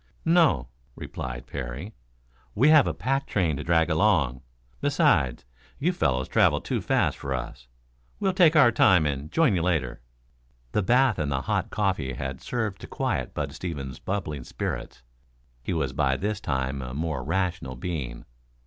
"No," replied Parry. "We have a pack train to drag along. Besides, you fellows travel too fast for us. We'll take our time and join you later." The bath and the hot coffee had served to quiet Bud Stevens's bubbling spirits. He was by this time a more rational being.